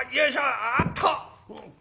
あっと！」。